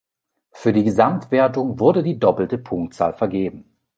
Für die Gesamtwertung wurde die doppelte Punktzahl vergeben.